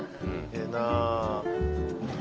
ええなあ。